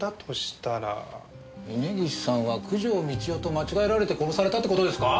峰岸さんは九条美千代と間違えられて殺されたって事ですか？